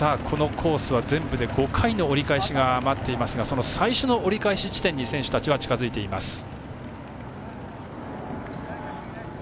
このコースは全部で５回の折り返しが待っていますがその最初の折り返し地点に選手たちは近づいています。